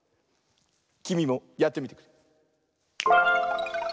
きみもやってみてくれ。